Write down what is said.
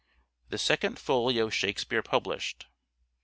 The Second Folio Shakespeare published.